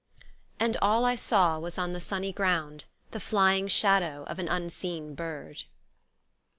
And all I saw was on the sunny ground, The flying shadow of an unseen bird."